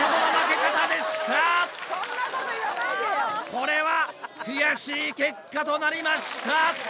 これは悔しい結果となりました。